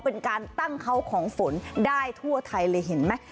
เป็นการตั้งเขาของฝนได้ทั่วไทยเลยเห็นไหม